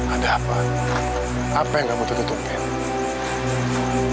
ada apa apa yang kamu tutupin